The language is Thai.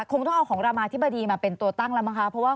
คงต้องเอาของรำอาธิบดีมาเป็นตัวตั้งเป็นรำเหมาะ